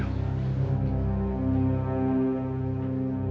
kamu mau pergi